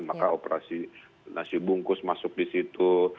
maka operasi nasi bungkus masuk di situ